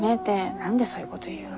何でそういうごど言うの。